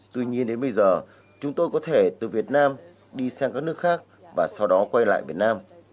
tuy nhiên đến bây giờ chúng tôi có thể từ việt nam đi sang các nước khác và sau đó quay lại việt nam